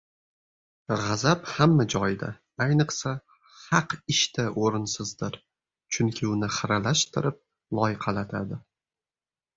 G‘azab hamma joyda, ayniqsa, haq ishda o‘rinsizdir. Chunki uni xiralashtirib loyqalatadi.